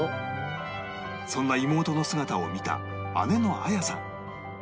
そんな妹の姿を見た姉の彩さん